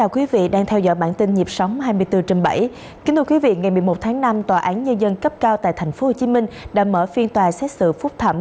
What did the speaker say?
quý vị ngày một mươi một tháng năm tòa án nhân dân cấp cao tại tp hcm đã mở phiên tòa xét xử phúc thẩm